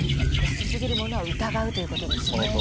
安すぎるものは疑うということですね。